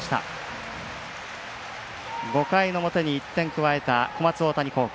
５回の表に１点加えた小松大谷高校。